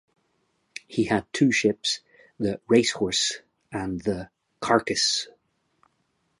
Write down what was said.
He had two ships, the "Racehorse" and the "Carcass".